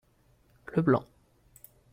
le blanc.